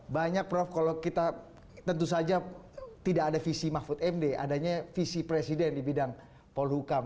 banyak prof kalau kita tentu saja tidak ada visi mahfud md adanya visi presiden di bidang polhukam